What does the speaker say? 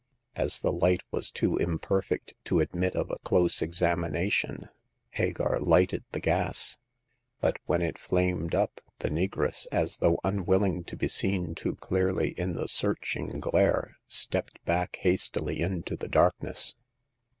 As the light was too imperfect to admit of a close examination, Hagar lighted the gas, but when it flamed up the negress, as though unwilling to be seen too clearly in the searching glare, stepped back hastily into the darkness.